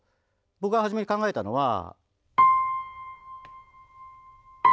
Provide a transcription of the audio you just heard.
僕が初めに考えたのは。